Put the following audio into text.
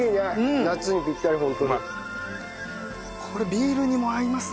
これビールにも合いますね。